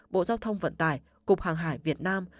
bộ giao thông vận tải cục hàng hải việt nam